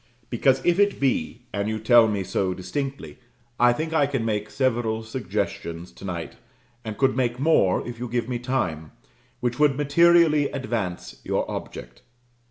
Because, if it be, and you tell me so distinctly, I think I can make several suggestions to night, and could make more if you give me time, which would materially advance your object.